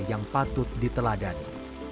yang patut diteladani